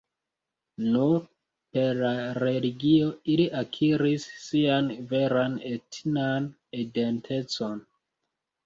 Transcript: Nur per la religio ili akiris sian veran etnan identecon.